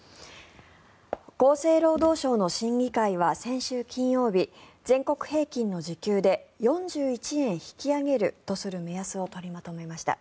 厚生労働省の審議会は先週金曜日全国平均の時給で４１円引き上げるとする目安を取りまとめました。